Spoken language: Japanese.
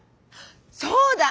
そうだ！